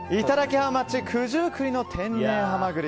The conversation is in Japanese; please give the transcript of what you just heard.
ハウマッチ九十九里の天然ハマグリ